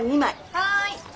はい。